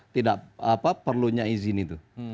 tidak perlunya izin itu